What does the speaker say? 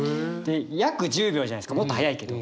約１０秒じゃないですかもっと速いけど。